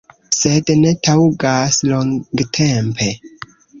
Sed ne taŭgas longtempe.